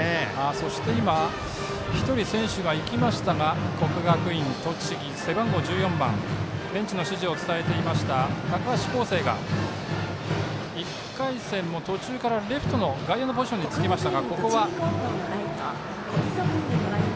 そして１人選手が行きましたが国学院栃木、背番号１４番ベンチの指示を伝えていました高橋巧成が１回戦の途中からレフトから外野のポジションにつきました。